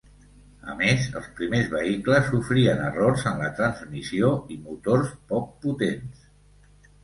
A més, els primers vehicles sofrien errors en la transmissió i motors poc potents.